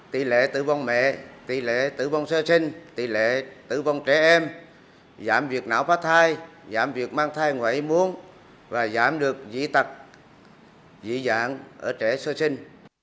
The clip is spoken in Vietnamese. tỷ lệ tử vong mẹ tỷ lệ tử vong sơ sinh tỷ lệ tử vong trẻ em giảm việc não phá thai giảm việc mang thai ngoài ý muốn và giảm được dị tật dị dạng ở trẻ sơ sinh